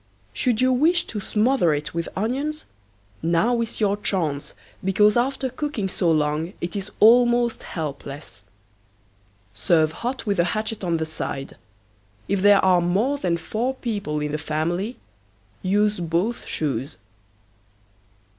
Should you wish to smother it with onions, now is your chance, because after cooking so long it is almost helpless. Serve hot with a hatchet on the side. If there are more than four people in the family use both shoes.